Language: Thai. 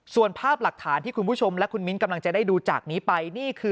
ส่วนภาพหลักฐานที่คุณผู้ชมและคุณมิ้นกำลังจะได้ดูจากนี้ไปนี่คือ